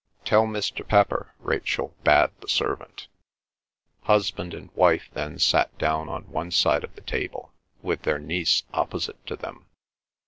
"Tell Mr. Pepper," Rachel bade the servant. Husband and wife then sat down on one side of the table, with their niece opposite to them.